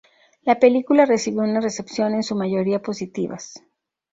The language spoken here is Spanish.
La película recibió una recepción en su mayoría positivas.